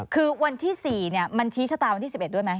คือวันที่๔มันชี้ชะตาวันที่๑๑ด้วยไหม